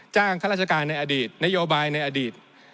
ข้าราชการในอดีตนโยบายในอดีต